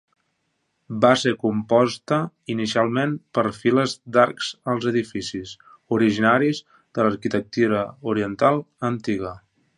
Va ser composta inicialment per files d'arcs als edificis, originaris de l'arquitectura oriental antiga.